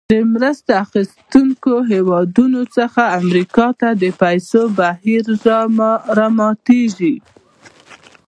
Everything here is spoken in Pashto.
د مرسته اخیستونکو هېوادونو څخه امریکا ته د پیسو بهیر راماتیږي.